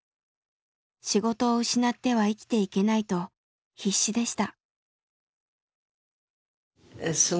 仕事を失っては生きていけないと必死でした。